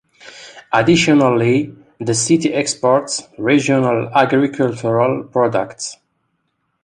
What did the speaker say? Additionally, the city exports regional agricultural products.